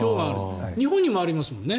日本にもありますよね。